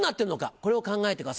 これを考えてください。